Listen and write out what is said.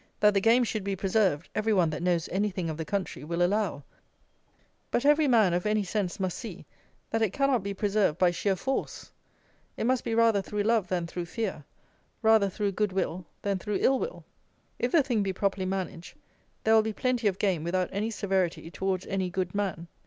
That the game should be preserved, every one that knows anything of the country will allow; but every man of any sense must see that it cannot be preserved by sheer force. It must be rather through love than through fear; rather through good will than through ill will. If the thing be properly managed, there will be plenty of game without any severity towards any good man.